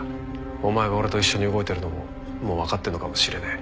お前が俺と一緒に動いてるのももうわかってるのかもしれねえ。